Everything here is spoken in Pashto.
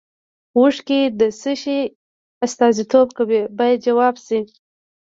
اوښکې د څه شي استازیتوب کوي باید ځواب شي.